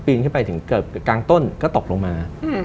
ขึ้นไปถึงเกือบกลางต้นก็ตกลงมา